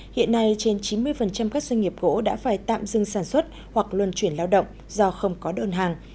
hiện nay trên chín mươi các doanh nghiệp gỗ đã phải tạm dừng sản xuất hoặc luân chuyển lao động do không có đơn hàng